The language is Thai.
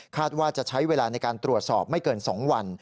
ว่าจะใช้เวลาในการตรวจสอบไม่เกิน๒วัน